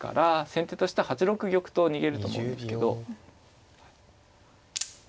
先手としては８六玉と逃げると思うんですけど。